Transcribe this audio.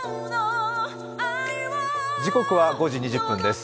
時刻は５時２０分です。